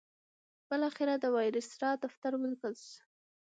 بالاخره د وایسرا دفتر ولیکل.